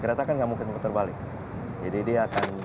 kereta kan nggak mungkin putar balik jadi dia akan